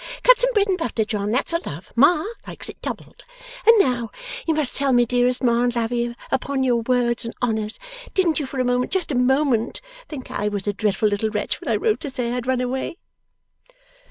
Cut some bread and butter, John; that's a love. Ma likes it doubled. And now you must tell me, dearest Ma and Lavvy, upon your words and honours! Didn't you for a moment just a moment think I was a dreadful little wretch when I wrote to say I had run away?